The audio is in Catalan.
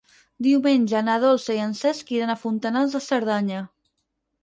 Diumenge na Dolça i en Cesc iran a Fontanals de Cerdanya.